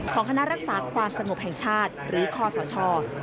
คณะรักษาความสงบแห่งชาติหรือคอสช